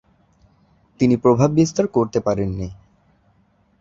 তিনি প্রভাববিস্তার করতে পারেননি।